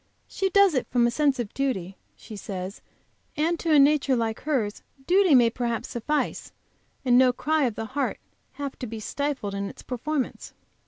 She does it from a sense of duty, she says, and to a nature like hers duty may perhaps suffice, and no cry of the heart have to be stifled in its performance.